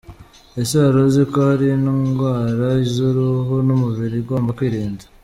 Ese waruziko hari indwara z’uruhu n’umubiri ugomba kwirinda?